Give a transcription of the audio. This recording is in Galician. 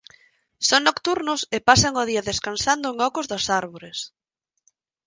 Son nocturnos e pasan o día descansando en ocos das árbores.